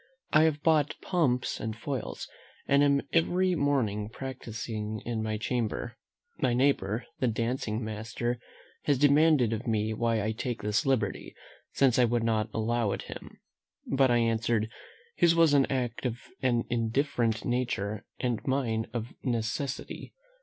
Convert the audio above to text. I have bought pumps and foils, and am every morning practising in my chamber. My neighbour, the dancing master, has demanded of me why I take this liberty, since I would not allow it him? but I answered, "His was an act of an indifferent nature, and mine of necessity."